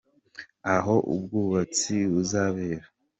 aho ubwubatsi buzabera.